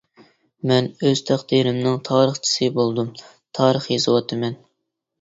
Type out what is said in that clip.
مەن ئۆز تەقدىرىمنىڭ تارىخچىسى بولدۇم، تارىخ يېزىۋاتىمەن.